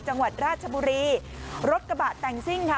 จังหวัดราชบุรีรถกระบะแต่งซิ่งค่ะ